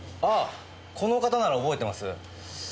ああこの方なら覚えてます。